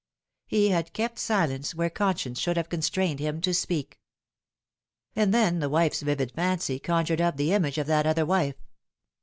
He had kept silence where conscience should have constrained him to speak. And then the wife's vivid fancy conjured up the image of that other wife.